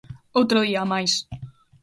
Outro día, máis.